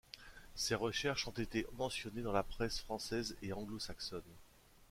Ses recherches ont été mentionnées dans la presse française et anglo-saxonne.